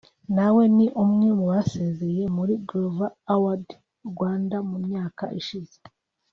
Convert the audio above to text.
nawe ni umwe mu basezeye muri Groove Awards Rwanda mu myaka ishize